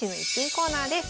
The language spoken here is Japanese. コーナーです。